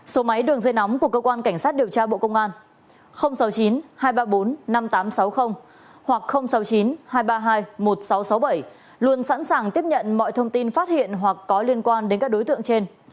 số máy đường dây nóng của cơ quan cảnh sát điều tra bộ công an sáu mươi chín hai trăm ba mươi bốn năm nghìn tám trăm sáu mươi hoặc sáu mươi chín hai trăm ba mươi hai một nghìn sáu trăm sáu mươi bảy luôn sẵn sàng tiếp nhận mọi thông tin phát hiện hoặc có liên quan đến các đối tượng trên